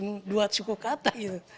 karena itu kan dua suku kata